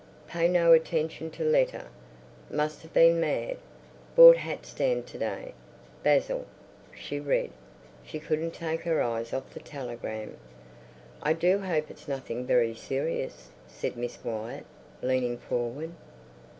"Pay no attention to letter, must have been mad, bought hat stand to day—Basil," she read. She couldn't take her eyes off the telegram. "I do hope it's nothing very serious," said Miss Wyatt, leaning forward.